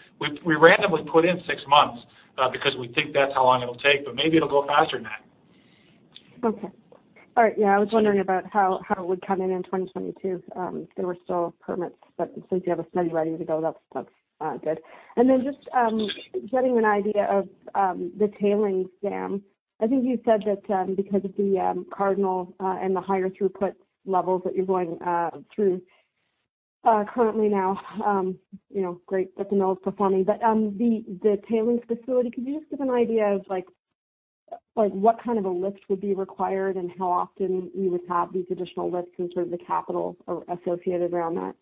S5: We randomly put in six months, because we think that's how long it'll take, but maybe it'll go faster than that.
S10: Okay, all right, yeah, I was wondering about how it would come in in 2022 if there were still permits. Since you have a study ready to go, that's good. Then just getting an idea of the tailings dam. I think you said that because of the Cardinal and the higher throughput levels that you're going through currently now, you know, great that the mill is performing. The tailings facility, could you just give an idea of like what kind of a lift would be required and how often you would have these additional lifts and sort of the capital associated around that?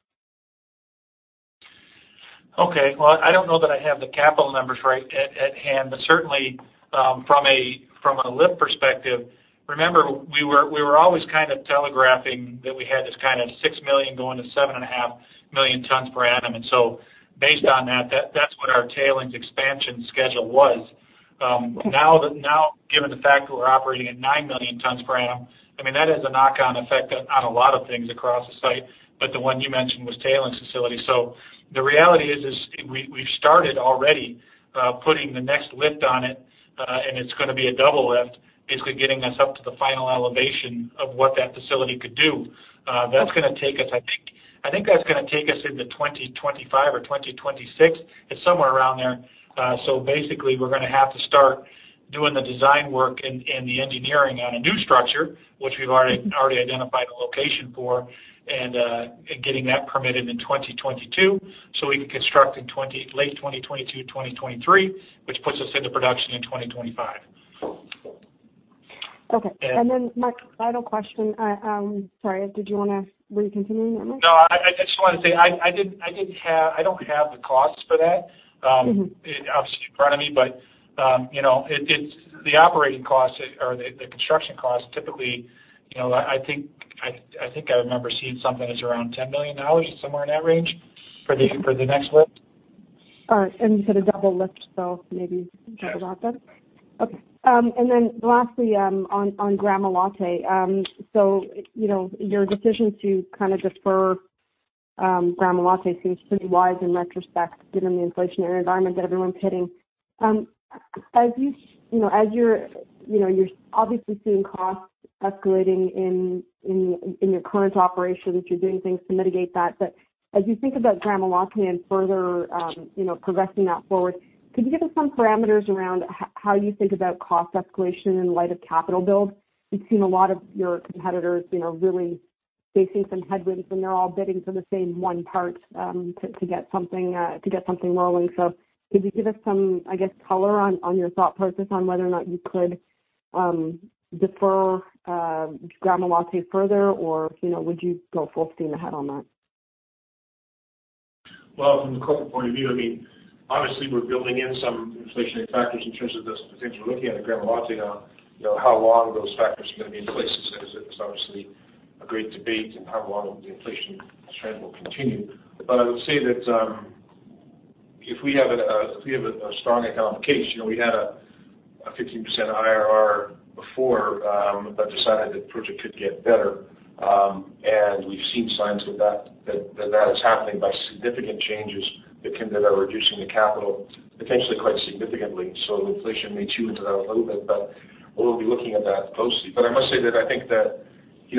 S5: Okay, well, I don't know that I have the capital numbers right at hand, but certainly, from a lift perspective, remember we were always kind of telegraphing that we had this kind of 6,000,000 tons going to 7,500,000 tons per annum. Based on that's what our tailings expansion schedule was. Now given the fact that we're operating at 9,000,000 tons per annum, I mean, that has a knock on effect on a lot of things across the site, but the one you mentioned was tailings facility. The reality is we've started already putting the next lift on it. It's gonna be a double lift, basically getting us up to the final elevation of what that facility could do. That's gonna take us, I think, into 2025 or 2026. It's somewhere around there. Basically we're gonna have to start doing the design work and the engineering on a new structure, which we've already identified a location for, and getting that permitted in 2022. We can construct in late 2022, 2023, which puts us into production in 2025.
S10: Okay, and then my final question. Sorry, were you continuing on that?
S5: No, I just wanna say I don't have the costs for that.
S10: Mm-hmm.
S5: Obviously in front of me, but you know, it's the operating costs or the construction costs typically, you know, I think I remember seeing something that's around $10 million, somewhere in that range for the next lift.
S10: All righ, and you said a double lift, so maybe you can talk about that.
S5: Yes.
S10: Okay, and then lastly, on Gramalote, you know, your decision to kind of defer Gramalote seems pretty wise in retrospect, given the inflationary environment that everyone's hitting. As you know, you're obviously seeing costs escalating in your current operations, you're doing things to mitigate that. As you think about Gramalote and further, you know, progressing that forward, could you give us some parameters around how you think about cost escalation in light of capital build? We've seen a lot of your competitors, you know, really facing some headwinds, and they're all bidding for the same one part to get something rolling. Could you give us some, I guess, color on your thought process on whether or not you could defer Gramalote further or, you know, would you go full steam ahead on that?
S2: Well, from the corporate point of view, I mean, obviously we're building in some inflationary factors in terms of this potential looking at Gramalote on, you know, how long those factors are gonna be in place. It's obviously a great debate in how long the inflation trend will continue. I would say that if we have a strong economic case, you know, we had a 15% IRR before, but decided the project could get better. We've seen signs of that is happening by significant changes that are reducing the capital potentially quite significantly. Inflation may chew into that a little bit, but we'll be looking at that closely. I must say that I think that, you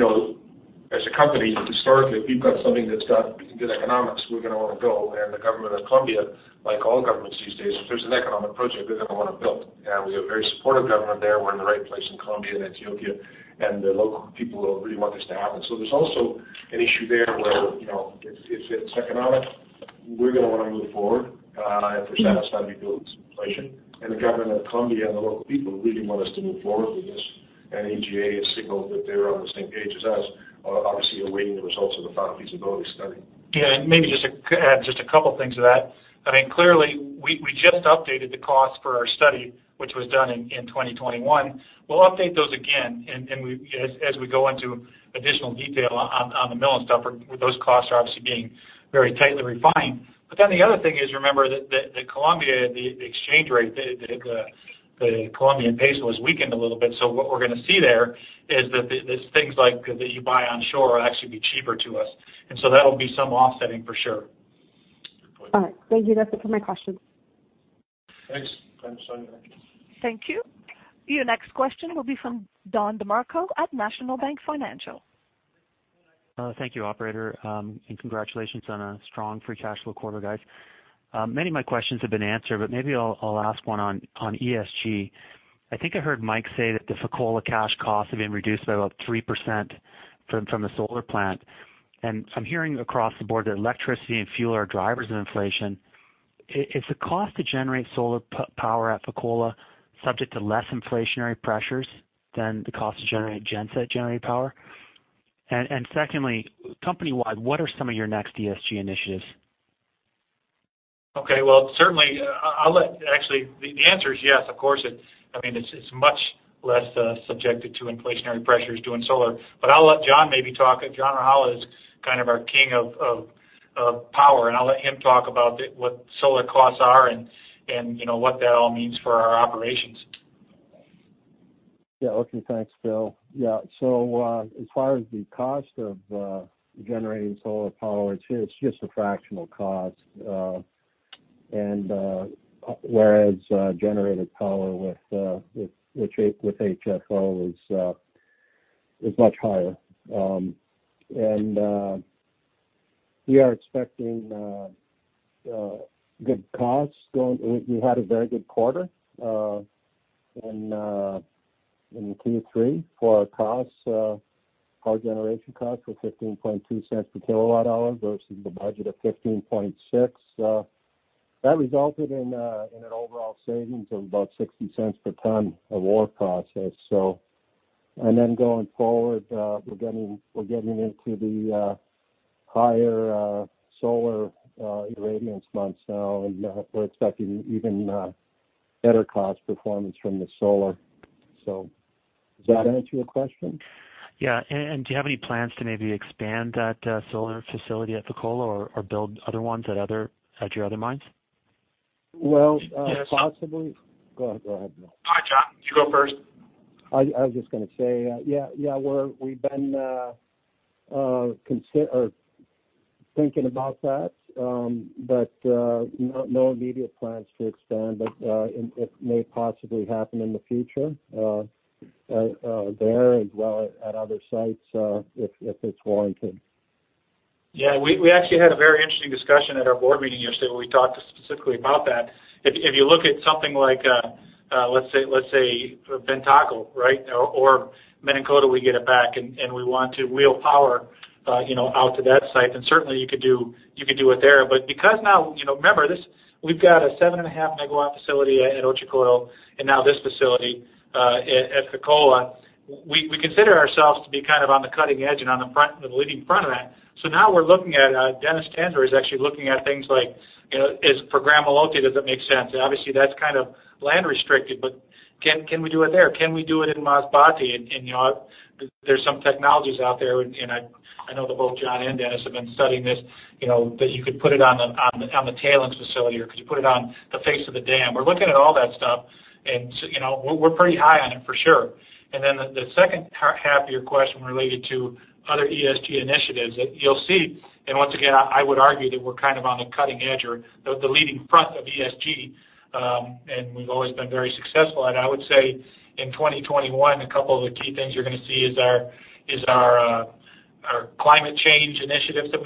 S2: know, as a company, historically, if we've got something that's got good economics, we're gonna wanna build. The government of Colombia, like all governments these days, if there's an economic project they're gonna wanna build. We have a very supportive government there. We're in the right place in Colombia and Mali, and the local people really want this to happen. There's also an issue there where, you know, if it's economic, we're gonna wanna move forward, if we're satisfied we build this inflation. The government of Colombia and the local people really want us to move forward with this. AGA has signaled that they're on the same page as us, obviously awaiting the results of the final feasibility study.
S5: Yeah, and maybe just to add just a couple things to that. I mean, clearly we just updated the cost for our study, which was done in 2021. We'll update those again. We—as we go into additional detail on the mill and stuff, those costs are obviously being very tightly refined. But then the other thing is remember that the Colombian exchange rate, the Colombian peso was weakened a little bit. What we're gonna see there is that these things like that you buy onshore will actually be cheaper to us. That'll be some offsetting for sure.
S2: Good point.
S10: All right, thank you. That's it for my questions.
S5: Thanks.
S2: Thanks, Soni.
S1: Thank you. Your next question will be from Don DeMarco at National Bank Financial.
S11: Thank you operator, and congratulations on a strong free cash flow quarter, guys. Many of my questions have been answered, but maybe I'll ask one on ESG. I think I heard Mike say that the Fekola cash costs have been reduced by about 3% from the Solar Plant. I'm hearing across the board that electricity and fuel are drivers of inflation. Is the cost to generate solar power at Fekola subject to less inflationary pressures than the cost to generate genset generated power? Secondly, company-wide, what are some of your next ESG initiatives?
S5: Okay. Well, certainly I'll let, actually the answer is yes, of course. I mean, it's much less subjected to inflationary pressures doing solar. I'll let John maybe talk. John Rajala is kind of our king of power, and I'll let him talk about what solar costs are and you know, what that all means for our operations.
S7: Okay, thanks, Bill. Yeas so, as far as the cost of generating solar power, it's just a fractional cost. Whereas generated power with HFO is much higher. We are expecting good costs. We had a very good quarter in Q3 for our costs. Our generation costs were $0.152 per kWh versus the budget of $0.156. That resulted in an overall savings of about $0.60 per ton of ore processed. Going forward, we're getting into the higher solar irradiance months now, and we're expecting even better cost performance from the solar. Does that answer your question?
S11: Do you have any plans to maybe expand that solar facility at Fekola or build other ones at your other mines?
S7: Well, possibly.
S5: Yes.
S7: Go ahead, Bill.
S5: Hi, John, you go first.
S7: I was just gonna say, yeah, we've been thinking about that, but no immediate plans to expand. It may possibly happen in the future, there as well at other sites, if it's warranted.
S5: Yeah, we actually had a very interesting discussion at our board meeting yesterday where we talked specifically about that. If you look at something like, let's say Bantako, right, or Menankoto, we get it back, and we want to wheel power, you know, out to that site, then certainly you could do it there. But because now, you know, remember, this. We've got a 7.5 MW facility at Otjikoto, and now this facility at Fekola, we consider ourselves to be kind of on the cutting edge and on the front, the leading front of that. So now we're looking at, Dennis Stansbury is actually looking at things like, you know, is for Gramalote, does it make sense? Obviously, that's kind of land restricted, but can we do it there? Can we do it in Masbate? You know, there's some technologies out there, and I know that both John and Dennis have been studying this, you know, that you could put it on the tailings facility, or could you put it on the face of the dam. We're looking at all that stuff and, you know, we're pretty high on it for sure. Then the second half of your question related to other ESG initiatives, you'll see, and once again, I would argue that we're kind of on the cutting edge or the leading front of ESG, and we've always been very successful. I would say in 2021, a couple of the key things you're gonna see is our climate change initiatives that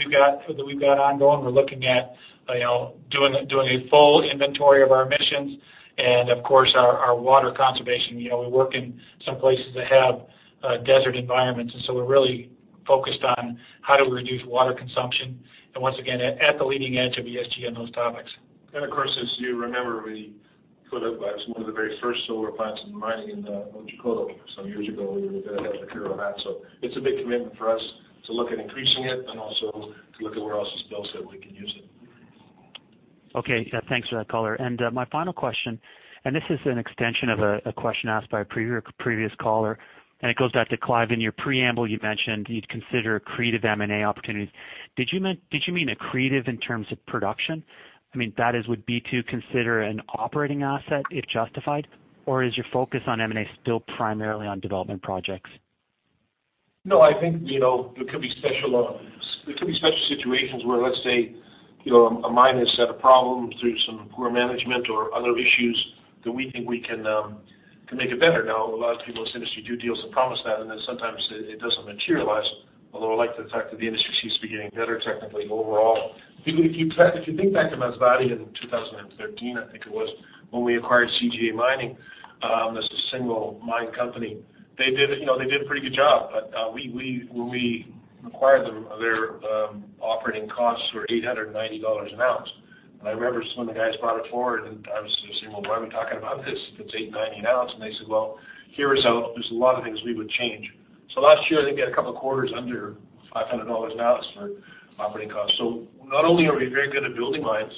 S5: we've got ongoing. We're looking at, you know, doing a full inventory of our emissions and of course, our water conservation. You know, we work in some places that have desert environments, and so we're really focused on how do we reduce water consumption and once again, at the leading edge of ESG on those topics.
S2: Of course, as you remember, we put up some of the very first solar plants in mining in Otjikoto some years ago. We were ahead of the curve on that. It's a big commitment for us to look at increasing it and also to look at where else is built that we can use it.
S11: Okay, yeah, thanks for that color. My final question, this is an extension of a question asked by a previous caller, it goes back to Clive. In your Preamble, you mentioned you'd consider accretive M&A opportunities. Did you mean accretive in terms of production? I mean, that is, would B2 consider an operating asset if justified, or is your focus on M&A still primarily on development projects?
S2: No, I think, you know, there could be special situations where, let's say, you know, a mine has had a problem through some poor management or other issues that we think we can make it better. Now, a lot of people in this industry do deals and promise that, and then sometimes it doesn't materialize, although I like the fact that the industry seems to be getting better technically overall. If you think back to Masbate in 2013, I think it was, when we acquired CGA Mining as a single mine company, they did, you know, a pretty good job. When we acquired them, their operating costs were $890 an ounce. I remember some of the guys brought it forward, and I was just saying, "Well, why are we talking about this? It's $890 an ounce." And they said, "Well, there's a lot of things we would change." Last year, they get a couple of quarters under $500 an ounce for operating costs. Not only are we very good at building mines,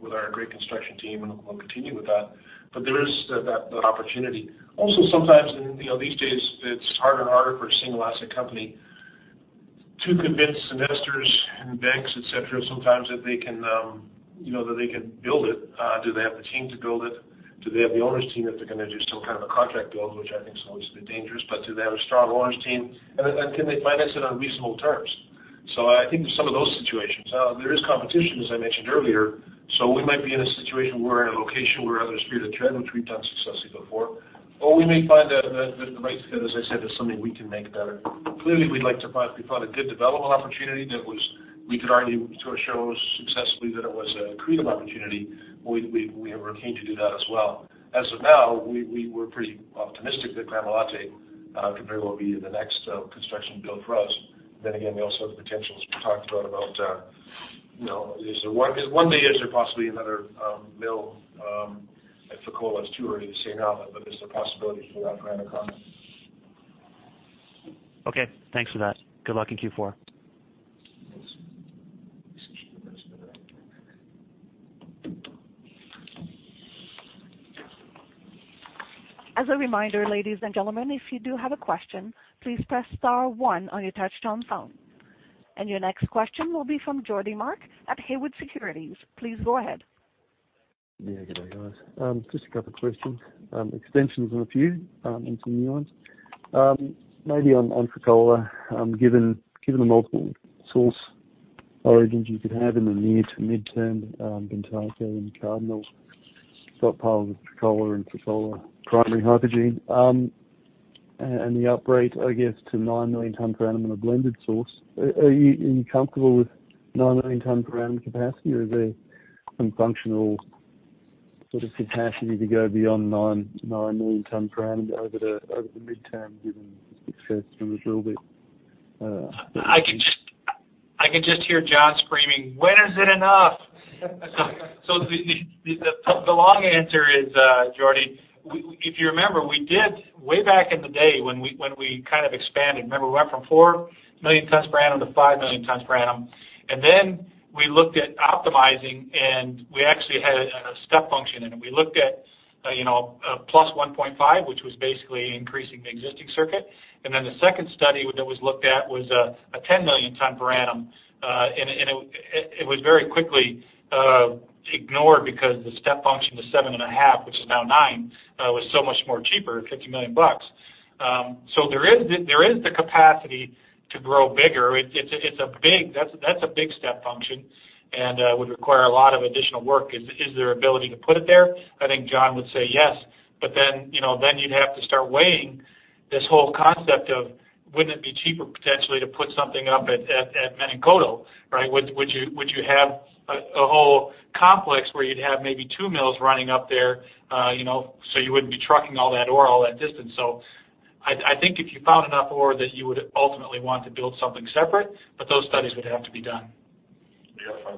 S2: with our great construction team, and we'll continue with that, but there is that opportunity. Also, sometimes in, you know, these days it's harder and harder for a single asset company to convince investors and banks, et cetera, sometimes that they can, you know, that they can build it. Do they have the team to build it? Do they have the owners team if they're gonna do some kind of a contract build, which I think is always a bit dangerous, but do they have a strong owners team? Can they finance it on reasonable terms? I think some of those situations. There is competition, as I mentioned earlier, so we might be in a situation where in a location where others fear to tread, which we've done successfully before, or we may find that the right fit, as I said, is something we can make better. Clearly, we'd like to find. We found a good developable opportunity we could argue to shareholders successfully that it was an accretive opportunity. We are keen to do that as well. As of now, we were pretty optimistic that Gramalote could very well be the next construction build for us. We also have the potentials we talked about, you know, is there one, 'cause one day, is there possibly another mill at Fekola? It's too early to say now, but there's a possibility for that going across.
S11: Okay, thanks for that. Good luck in Q4.
S2: Thanks.
S1: As a reminder, ladies and gentlemen, if you do have a question, please press star one on your touchtone phone. Your next question will be from Geordie Mark at Haywood Securities, please go ahead.
S12: Yeah, good day, guys. Just a couple questions, extensions on a few, and some new ones. Maybe on Fekola, given the multiple source origins you could have in the near to midterm, Bantako and Cardinal stock pile with Fekola and Fekola primary hypogene, and the upgrade, I guess, to 9,000,000 tons per annum on a blended source. Are you comfortable with 9,000,000 tons per annum capacity? Or is there some functional sort of capacity to go beyond 9,000,000 tons per annum over the midterm given the success from the drill bit.
S5: I can just hear John screaming, "When is it enough?" The long answer is, Geordie, we, if you remember, we did way back in the day when we kind of expanded. Remember, we went from 4,000,000 tons per annum to 5,000,000 tons per annum. Then we looked at optimizing, and we actually had a step function. We looked at +1,500,000 tons, which was basically increasing the existing circuit. Then the second study that was looked at was a 10,000,000 ton per annum. It was very quickly ignored because the step function to 7,500,000 tons, which is now 9,000,000 tons, was so much more cheaper, $50 million. There is the capacity to grow bigger. It's a big step function and would require a lot of additional work. Is there ability to put it there? I think John would say yes. You know, you'd have to start weighing this whole concept of wouldn't it be cheaper potentially to put something up at Menankoto, right? Would you have a whole complex where you'd have maybe two mills running up there, you know, so you wouldn't be trucking all that ore all that distance? I think if you found enough ore that you would ultimately want to build something separate, but those studies would have to be done.
S7: Yeah that's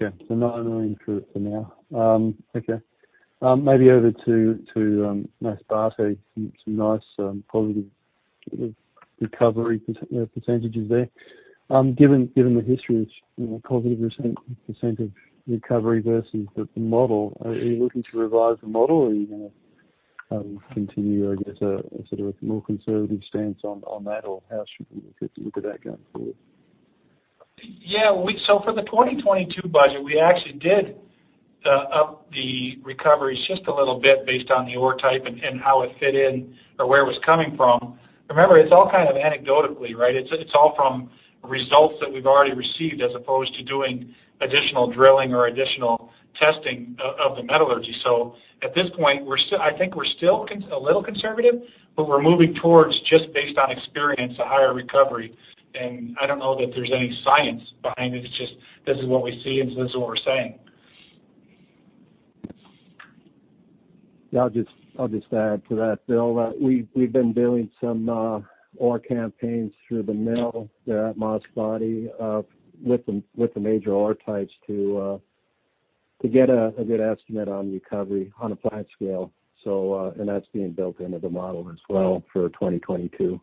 S7: it.
S12: Okay, 9,000,000 tons through it for now. Maybe over to Masbate, some nice positive sort of recovery percentages there. Given the history, you know, positive percentage of recovery versus the model, are you looking to revise the model or are you gonna continue, I guess, a sort of more conservative stance on that? How should we look at that going forward?
S5: For the 2022 budget, we actually did up the recoveries just a little bit based on the ore type and how it fit in or where it was coming from. Remember, it's all kind of anecdotally, right? It's all from results that we've already received as opposed to doing additional drilling or additional testing of the metallurgy. At this point, we're still a little conservative, but we're moving towards, just based on experience, a higher recovery. I don't know that there's any science behind it. It's just this is what we see, and so this is what we're saying.
S7: Yeah, I'll just add to that, Bill. We've been doing some ore campaigns through the mill there at Masbate with the major ore types to get a good estimate on recovery on a plant scale. That's being built into the model as well for 2022.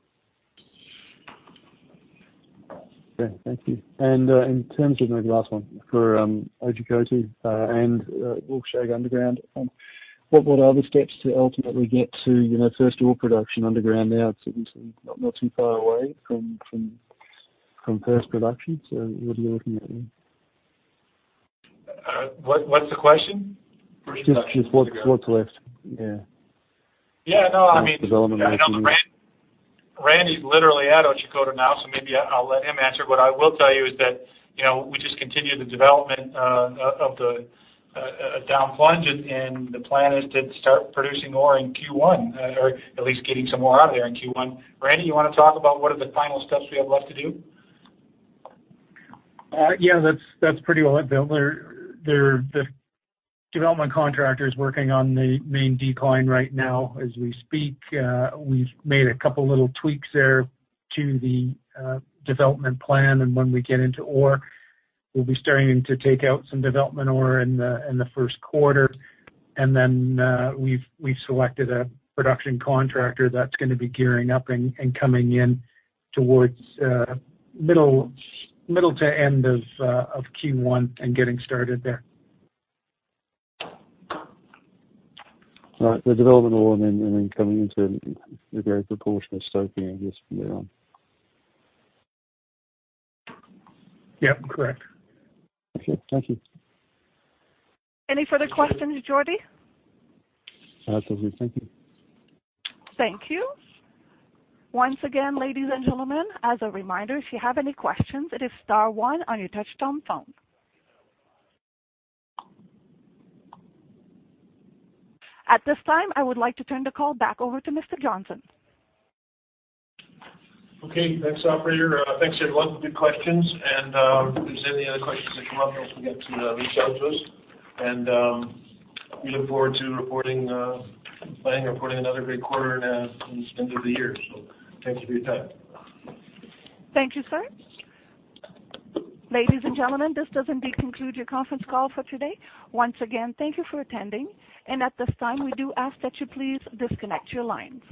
S12: Okay, thank you. In terms of, maybe last one, for Otjikoto and Wolfshag Underground, what are the steps to ultimately get to, you know, first ore production underground now? It's obviously not too far away from first production, so what are you looking at there?
S5: What's the question?
S12: First production underground. Just what's left? Yeah.
S5: Yeah, no, I mean.
S12: Development activities.
S5: Randy's literally at Otjikoto now, so maybe I'll let him answer. What I will tell you is that, you know, we just continue the development of the down plunge, and the plan is to start producing ore in Q1, or at least getting some ore out of there in Q1. Randy, you wanna talk about what are the final steps we have left to do?
S13: Yeah, that's pretty well it, Bill. The development contractor is working on the main decline right now as we speak. We've made a couple little tweaks there to the development plan. When we get into ore, we'll be starting to take out some development ore in the first quarter. Then, we've selected a production contractor that's gonna be gearing up and coming in towards middle to end of Q1 and getting started there.
S12: All right. The development ore and then coming into the very proportion of stoping, I guess, from there on.
S13: Yep, correct.
S12: Okay, thank you.
S1: Any further questions, Geordie?
S12: That's all good. Thank you.
S1: Thank you. Once again, ladies and gentlemen, as a reminder, if you have any questions, it is star one on your touchtone phone. At this time, I would like to turn the call back over to Mr. Johnson.
S2: Okay, thanks, operator. Thanks everyone for your questions. If there's any other questions that come up, don't forget to reach out to us. We look forward to planning on reporting another great quarter now in this end of the year, so thanks for your time.
S1: Thank you, sir. Ladies and gentlemen, this does indeed conclude your conference call for today. Once again, thank you for attending. At this time, we do ask that you please disconnect your lines.